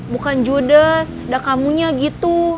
bukan judes ada kamunya gitu